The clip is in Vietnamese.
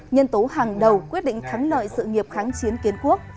nhân tố hàng đầu quyết định thắng lợi sự nghiệp kháng chiến kiến quốc